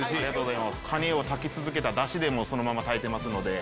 カニを炊いたダシでそのまま炊いてますので。